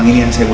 aku bisa mencoba